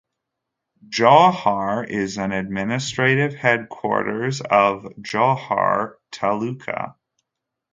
Jawhar is an administrative headquarters of Jawhar Taluka.